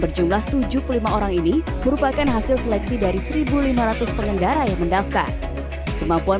berjumlah tujuh puluh lima orang ini merupakan hasil seleksi dari seribu lima ratus pengendara yang mendaftar kemampuan